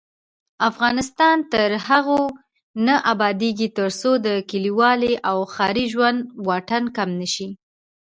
افغانستان تر هغو نه ابادیږي، ترڅو د کلیوالي او ښاري ژوند واټن کم نشي.